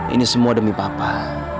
ini semua demi bapak